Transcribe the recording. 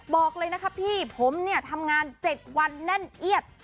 บอกเลยนะครับพี่ผมเนี่ยทำงาน๗วันแน่นเอียด